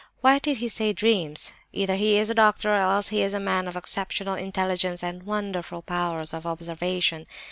Why did he say 'dreams'? Either he is a doctor, or else he is a man of exceptional intelligence and wonderful powers of observation.